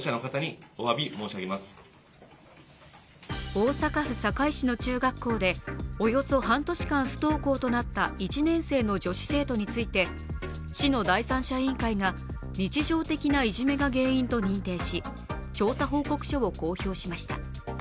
大阪府堺市の中学校で、およそ半年間不登校となった１年生の女子生徒について、市の第三者委員会が日常的ないじめが原因だと認定し調査報告書を公表しました。